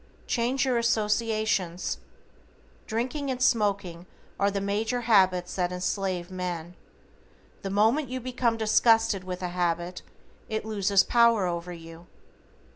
Change your associations. Drinking and smoking are the major habits that enslave men. The moment you become disgusted with a habit it loses power over you.